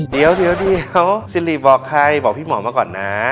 เดี๋ยวซิริบอกใครบอกพี่หมอมาก่อนนะ